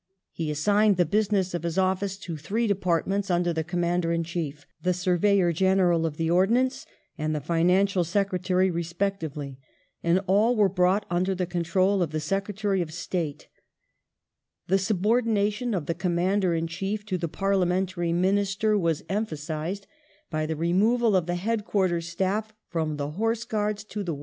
He assigned the business of his office to three departments under the Commander in Chief, the Surveyor General of the Ordnance, and the Financial Secretary respectively ; and all were brought under the control of the Secretary of State. The subordination of the Commander in Chief to the Parliamentary Minister was emphasized by the removal of the Headquarters' staff from the Horse Guards to the War ^ For Clitheroe in 1842. "^Cf. e.g. Lewis, Government of Dependencies, or A.